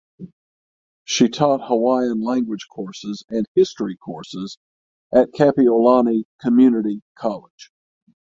She taught Hawaiian language courses and history courses at Kapi‘olani Community College.